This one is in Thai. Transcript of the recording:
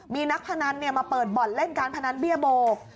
มีนักพนันมาเปิดบ่อนเล่นการพนันเบี้ยโบก